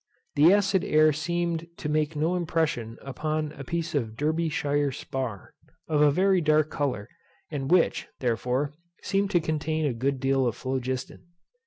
The acid air seemed to make no impression upon a piece of Derbyshire spar, of a very dark colour, and which, therefore, seemed to contain a good deal of phlogiston.